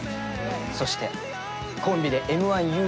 そしてコンビでＭ−１優勝。